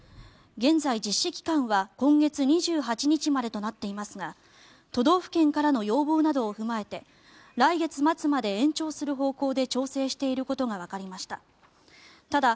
現在、実施期間は今月２８日までとなっていますが都道府県からの要望などを踏まえて来月末まで延長する方向で調整していることがわかりました。